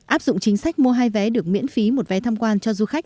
áp dụng chính sách mua hai vé được miễn phí một vé tham quan cho du khách